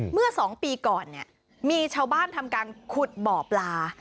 เมื่อ๒ปีก่อนเนี่ยมีชาวบ้านทำการขุดบ่อปลา